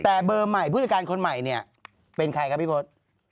แต่เบอร์ใหม่ผู้จัดการคนใหม่เนี่ยเป็นใครครับพี่พศ